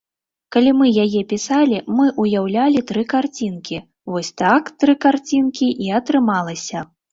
Калі мы яе пісалі, мы ўяўлялі тры карцінкі, вось так тры карцінкі і атрымалася.